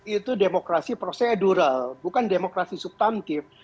itu demokrasi prosedural bukan demokrasi subtantif